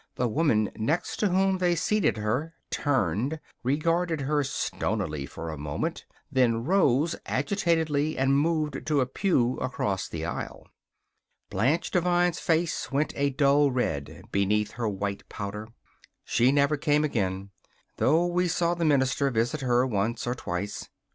The woman next to whom they seated her turned, regarded her stonily for a moment, then rose agitatedly and moved to a pew across the aisle. Blanche Devine's face went a dull red beneath her white powder. She never came again though we saw the minister visit her once or twice.